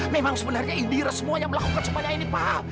memang sebenarnya ide semuanya melakukan semuanya ini pak